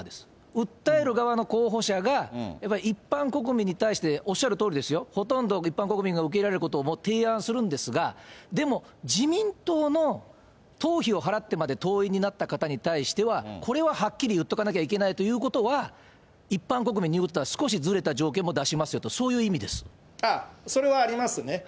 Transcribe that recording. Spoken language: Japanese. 訴える側の候補者が、やっぱり一般国民に対して、おっしゃるとおりですよ、ほとんど、一般国民が受け入れられることを提案するんですが、でも、自民党の党費を払ってまで党員になった方に対しては、これははっきり言っとかなきゃいけないということは、一般国民のほうとは少しずれた条件も出しますよと、そういう意味ああ、それはありますね。